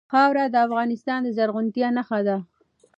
خاوره د افغانستان د زرغونتیا نښه ده.